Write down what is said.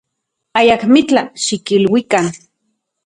Ayakmitlaj xikiluikan.